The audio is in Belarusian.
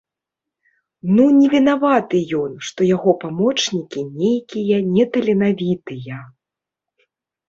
Ну не вінаваты ён, што яго памочнікі нейкія неталенавітыя.